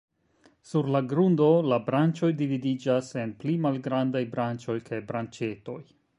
Sur la grundo, la branĉoj dividiĝas en pli malgrandaj branĉoj kaj branĉetoj.